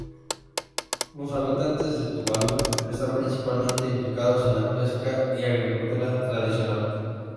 Los habitantes de Tuvalu están principalmente implicados en la pesca y agricultura tradicional.